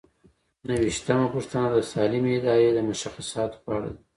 نهه ویشتمه پوښتنه د سالمې ادارې د مشخصاتو په اړه ده.